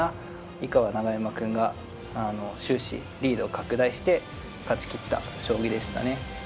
以下は永山くんが終始リードを拡大して勝ちきった将棋でしたね。